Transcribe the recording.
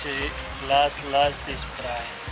ini harga terakhir